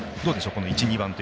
この１、２番。